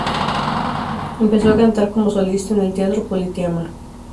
Empezó a cantar como solista en el Teatro Politeama.